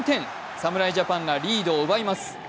侍ジャパンがリードを奪います。